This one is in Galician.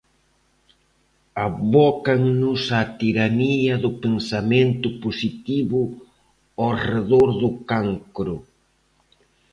Abócannos á tiranía do pensamento positivo ao redor do cancro.